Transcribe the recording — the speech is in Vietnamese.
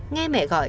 nghe mẹ gọi